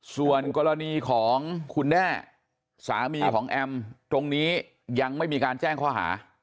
ส่วนกรณีของคุณแน่สามีของแอมตรงนี้ยังไม่มีการแจ้งข้อหา